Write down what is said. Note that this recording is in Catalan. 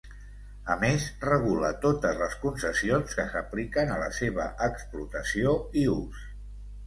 A més, regula totes les concessions que s'apliquen a la seva explotació i ús.